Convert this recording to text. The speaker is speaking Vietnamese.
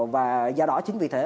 và do đó chính vì thế